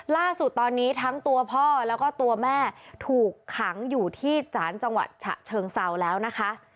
ล่าสุดตอนนี้ทั้งตัวพ่อแล้วก็ตัวแม่ถูกขังอยู่ที่ศาลจังหวัดฉะเชิงเซาแล้วนะคะ